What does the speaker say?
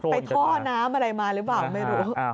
ท่อน้ำอะไรมาหรือเปล่าไม่รู้